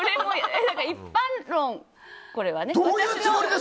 一般論、これはね。